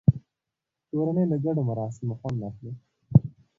کورنۍ له ګډو مراسمو خوند اخلي